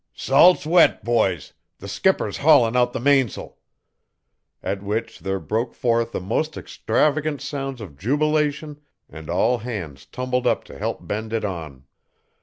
"Salt's wet, boys; the skipper's haulin' out the mains'l!" At which there broke forth the most extravagant sounds of jubilation and all hands tumbled up to help bend it on.